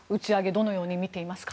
どのように見ていますか。